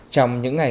trong những ngày